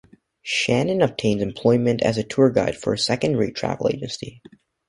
Shannon obtains employment as a tour guide for a second-rate travel agency.